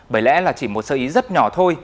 bởi lẽ là chỉ một sơ ý rất nhỏ thôi